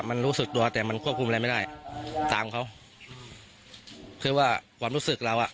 มันรู้สึกตัวแต่มันควบคุมอะไรไม่ได้ตามเขาคือว่าความรู้สึกเราอ่ะ